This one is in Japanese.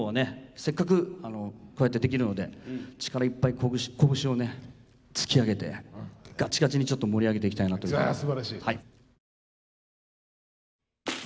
せっかくこうやってできるので力いっぱいこぶしをね突き上げてガチガチにちょっと盛り上げていきたいなと思ってます。